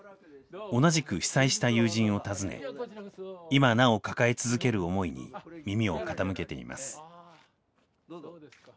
同じく被災した友人を訪ね今なお抱え続ける思いに耳を傾けています。